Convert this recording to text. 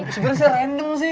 sebenernya sih random sih